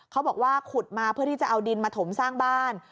เขาบอกว่าขุดมาเพื่อที่จะเอาดินมาถมสร้างบ้าน